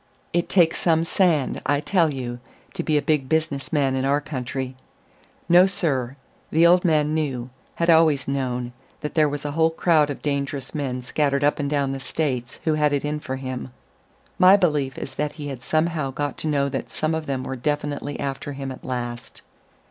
It takes some sand, I tell you, to be a big business man in our country. No, sir: the old man knew had always known that there was a whole crowd of dangerous men scattered up and down the States who had it in for him. My belief is that he had somehow got to know that some of them were definitely after him at last.